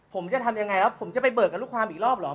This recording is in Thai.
ผมจะทำอย่างไรผมจะไปเบิกกันรุคความอีกรอบหรือ